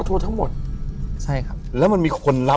ถูกต้องไหมครับถูกต้องไหมครับ